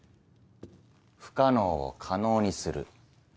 不可能を可能にする。